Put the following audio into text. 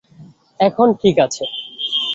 এখন ঠিক আছে!